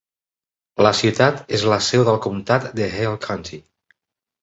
La ciutat és la seu del comtat de Hale County.